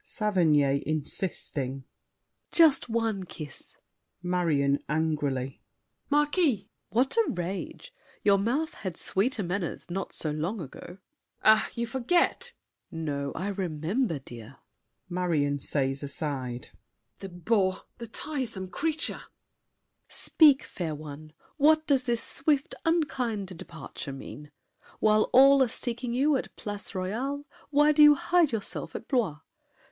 SAVERNY (insisting). Just one kiss! MARION (angrily). Marquis! SAVERNY. What a rage! Your mouth Had sweeter manners, not so long ago! MARION. Ah, you forget! SAVERNY. No, I remember, dear. MARION (aside). The bore! the tiresome creature! SAVERNY. Speak, fair one! What does this swift, unkind departure mean? While all are seeking you at Place Royale, Why do you hide yourself at Blois?